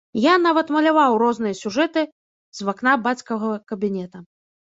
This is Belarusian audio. Я нават маляваў розныя сюжэты з вакна бацькавага кабінета.